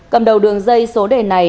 cầm đầu đường dây số đề này